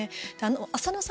浅野さん